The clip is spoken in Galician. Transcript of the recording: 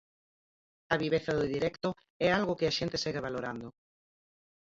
A viveza do directo é algo que a xente segue valorando.